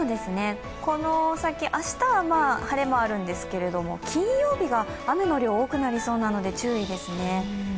この先、明日は晴れもあるんですけれども、金曜日が雨の量、多くなりそうなので注意ですね。